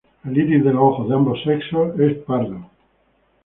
El iris de los ojos de ambos sexos es pardo.